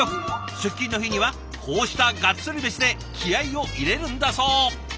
出勤の日にはこうしたガッツリ飯で気合いを入れるんだそう。